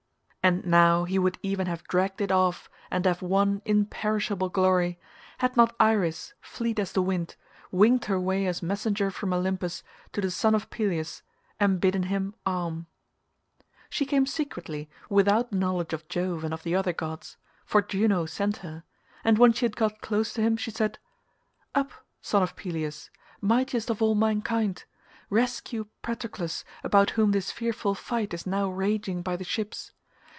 And now he would even have dragged it off and have won imperishable glory, had not Iris fleet as the wind, winged her way as messenger from Olympus to the son of Peleus and bidden him arm. She came secretly without the knowledge of Jove and of the other gods, for Juno sent her, and when she had got close to him she said, "Up, son of Peleus, mightiest of all mankind; rescue Patroclus about whom this fearful fight is now raging by the ships.